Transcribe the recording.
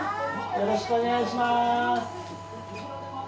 よろしくお願いします。